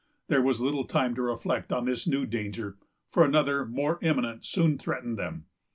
There was little time to reflect on this new danger; for another, more imminent, soon threatened them.